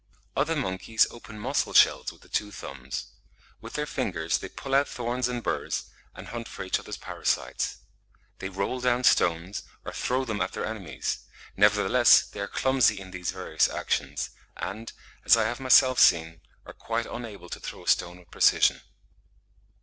Other monkeys open mussel shells with the two thumbs. With their fingers they pull out thorns and burs, and hunt for each other's parasites. They roll down stones, or throw them at their enemies: nevertheless, they are clumsy in these various actions, and, as I have myself seen, are quite unable to throw a stone with precision.